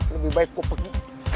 lebih baik gue pergi